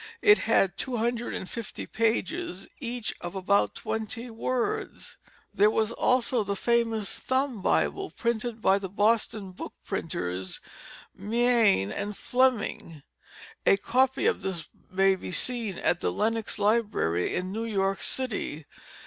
It had two hundred and fifty pages, each of about twenty words. There was also the famous Thumb Bible printed by the Boston book printers, Mein and Fleming. A copy of this may be seen at the Lenox Library in New York City.